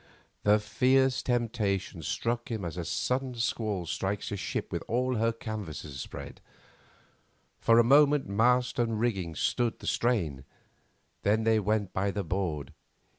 The fierce temptation struck him as a sudden squall strikes a ship with all her canvas spread. For a moment mast and rigging stood the strain, then they went by the board.